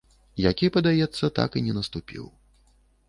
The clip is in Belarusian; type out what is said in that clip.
Які, падаецца, так і не наступіў.